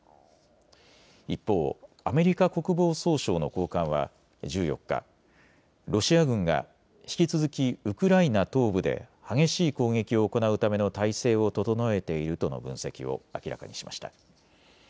一方、アメリカ国防総省の高官は１４日、ロシア軍が引き続きウクライナ東部で激しい攻撃を行うための態勢を整えているとの分析を明らかにしました。